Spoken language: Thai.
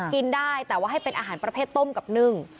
กินได้แต่ว่าให้เป็นอาหารประเภทต้มกับนึ่ง